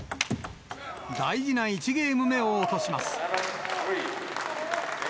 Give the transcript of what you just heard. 大事な１ゲーム目を落とします。